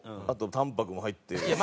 あとタンパクも入ってる。